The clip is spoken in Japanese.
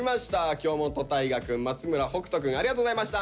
京本大我くん松村北斗くんありがとうございました。